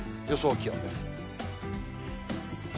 予想気温です。